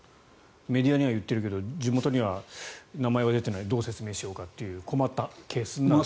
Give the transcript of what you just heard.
メディアにはいっているけど地元には名前が出ていないどう説明しようかという困ったケースになった。